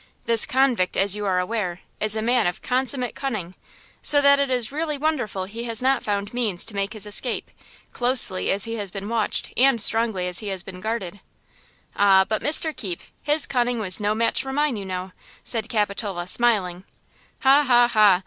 This convict, as you are aware, is a man of consummate cunning, so that it is really wonderful he has not found means to make his escape, closely as he has been watched and strongly as he has been guarded." "Ah, but Mr. Keepe, his cunning was no match for mine, you know!" said Capitola, smiling. "Ha ha ha!